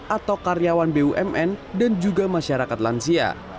atau karyawan bumn dan juga masyarakat lansia